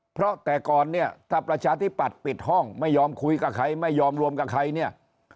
เพราะแต่ก่อนถ้าประชาธิบัติปิดห้องไม่ยอมคุยกับใครไม่ยอมรวมกับใคร